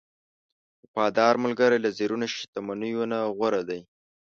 وفادار ملګری له زرینو شتمنیو نه غوره دی.